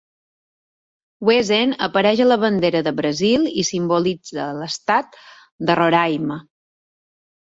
Wezen apareix a la bandera de Brasil i simbolitza l'estat de Roraima.